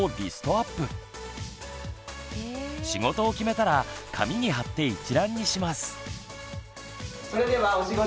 仕事を決めたら紙に貼って一覧にします。